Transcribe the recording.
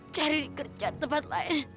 cari kerja di tempat lain